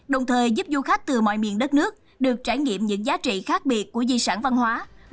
đồng thời giúp du khách từ mọi miền đất nước được trải nghiệm những giá trị khác biệt của di sản văn hóa